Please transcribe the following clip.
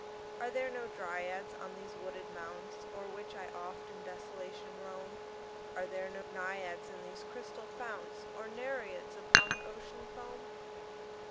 Are there no Dryads on these wooded mounts O'er which I oft in desolation roam? Are there no Naiads in these crystal founts? Nor Nereids upon the Ocean foam?